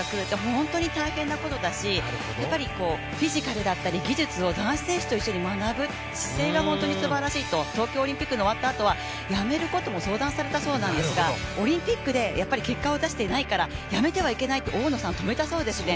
本当に大変なことだしフィジカルだったり技術を男子選手と一緒に学ぶ姿勢がすばらしいと東京オリンピックの終わったあとはやめることも相談されたそうなんですが、オリンピックで結果を出してないからやめてはいけないって大野さんは止めたそうなんですね。